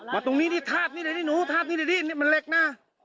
มาตรงนี้ดิทาบนี้เดี๋ยวดิหนูทาบนี้เดี๋ยวดิมันเหล็กนะ